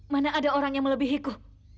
mana ada orang yang melebihiku